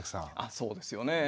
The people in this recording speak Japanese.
そうですよね。